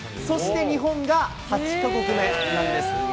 日本が８か国目なんです。